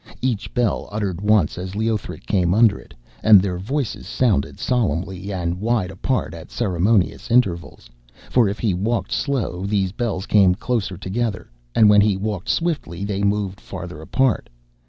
Each bell uttered once as Leothric came under it, and their voices sounded solemnly and wide apart at ceremonious intervals. For if he walked slow, these bells came closer together, and when he walked swiftly they moved farther apart.